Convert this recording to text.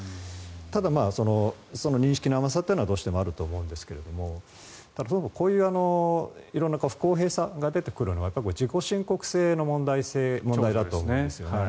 ただ、認識の甘さというのはどうしてもあると思うんですがこういう色んな不公平さが出てくるのは自己申告制の問題だと思うんですね。